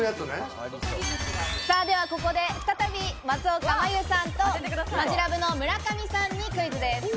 ではここで、再び、松岡茉優さんと、マヂラブの村上さんにクイズです。